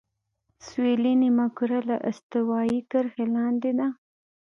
سویلي نیمهکره له استوایي کرښې لاندې ده.